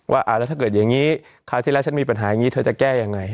ว่าแล้วถ้าเกิดอย่างนี้คราวที่แล้วฉันมีปัญหาอย่างนี้เธอจะแก้ยังไง